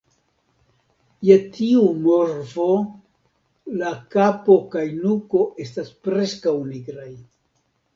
Je tiu morfo la kapo kaj nuko estas preskaŭ nigraj.